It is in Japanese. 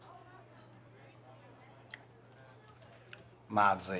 まずい。